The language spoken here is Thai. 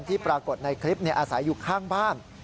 ปรากฏในคลิปอาศัยอยู่ข้างบ้าน